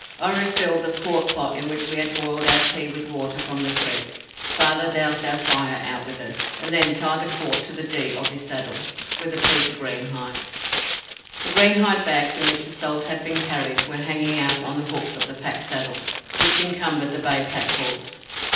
I refilled the quart pot in which we had boiled our tea with water from the creek, father doused our fire out with it, and then tied the quart to the D of his saddle with a piece of green hide. The green hide bags in which the salt had been carried were hanging on the hooks of the pack saddle which encumbered the bay pack horse.